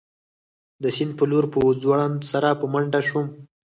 د سیند په لور په ځوړند سر په منډه شوم.